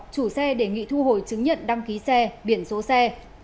chủ xe đề nghị thu hồi chứng nhận đăng ký xe biển số xe